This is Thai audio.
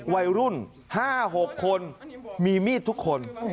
วัยรุ่น๕๖คนมีมีดทุกคน